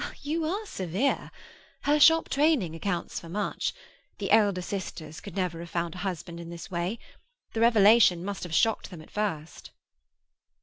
"You are severe. Her shop training accounts for much. The elder sisters could never have found a husband in this way. The revelation must have shocked them at first."